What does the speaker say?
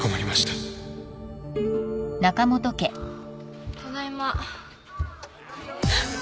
ただいま。